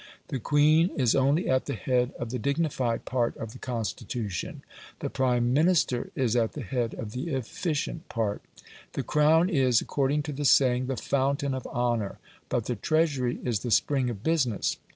The Queen is only at the head of the dignified part of the Constitution. The Prime Minister is at the head of the efficient part. The Crown is, according to the saying, the "fountain of honour"; but the Treasury is the spring of business.